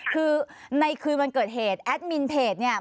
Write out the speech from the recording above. คือในคืนวันเกิดเหตุแอดมินเพจเนี่ย